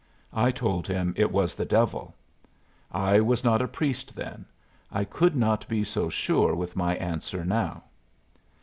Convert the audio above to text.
I told him it was the devil. I was not a priest then. I could not be so sure with my answer now."